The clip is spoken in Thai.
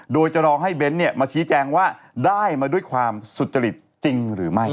โดยจะรอให้เบ้นมาชี้แจงว่าได้มาด้วยความสุจริตจริงหรือไม่